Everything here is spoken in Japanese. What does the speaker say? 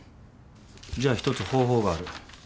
じゃあ一つ方法がある。